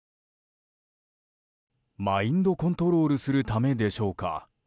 マインドコントロールするためでしょうか。